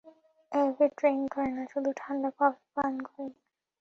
এ ভি ড্রিংক করে না, শুধু ঠান্ডা কফি পান করে।